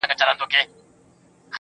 • اوس مي حافظه ډيره قوي گلي.